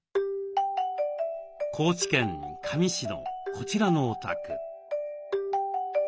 高知県香美市のこちらのお宅。